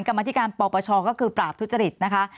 กรรมธิการปปชก็คือปราบทุจริตนะคะ